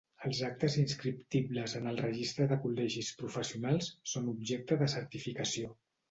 Els actes inscriptibles en el registre de col·legis professionals són objecte de certificació.